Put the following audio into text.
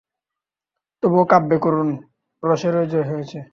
তবুও কাব্যে করুণ রসেরই জয় হয়েছে।